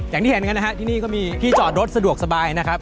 อย่างที่เห็นกันนะฮะที่นี่ก็มีที่จอดรถสะดวกสบายนะครับ